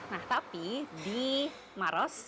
nah tapi di maros